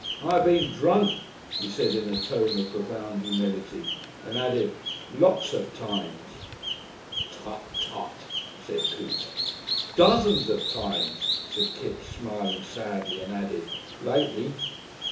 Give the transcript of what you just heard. I been drunk," he said in a tone of profound humility, and added, "lots of times." "Tt. Tt.," said Coote. "Dozens of times," said Kipps, smiling sadly, and added, "lately."